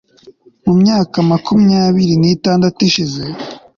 mu myaka makumyabiri n'itandatu ishize